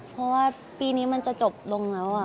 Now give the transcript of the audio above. เพราะว่าปีนี้มันจะจบลงแล้ว